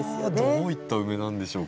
どういったウメなんでしょうか？